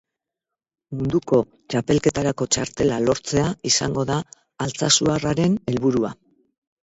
Munduko txapelketarako txartela lortzea izango da altsasuarraren helburua.